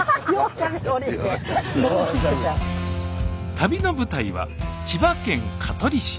旅の舞台は千葉県香取市。